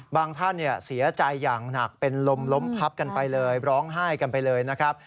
ท่านเสียใจอย่างหนักเป็นลมล้มพับกันไปเลยร้องไห้กันไปเลยนะครับ